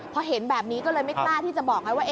พอเห็นแบบนี้ก็เลยไม่กล้าที่จะบอกไงว่า